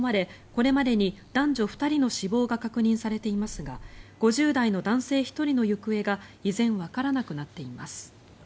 これまでに男女２人の死亡が確認されていますが５０代の男性１人の行方が依然わからなくなっています。